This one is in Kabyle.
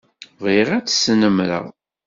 Bɣiɣ ad tt-snemmreɣ.